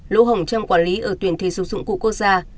lỗ hỏng trong quản lý ở tuyển thể dục dụng cụ quốc gia